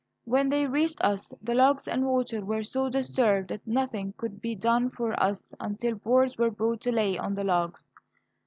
When they reached us, the logs and water were so disturbed that nothing could be done for us until boards were brought to lay on the logs.